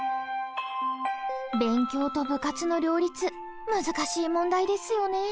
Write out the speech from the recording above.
勉強と部活の両立難しい問題ですよね。